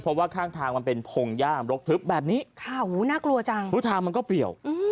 เพราะว่าข้างทางมันเป็นผงย่างรกทึบแบบนี้